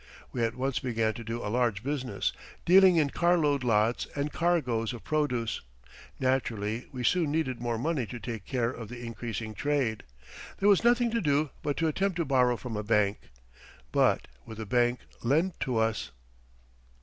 We at once began to do a large business, dealing in carload lots and cargoes of produce. Naturally we soon needed more money to take care of the increasing trade. There was nothing to do but to attempt to borrow from a bank. But would the bank lend to us?